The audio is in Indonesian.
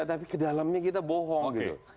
tapi ke dalamnya kita bohong gitu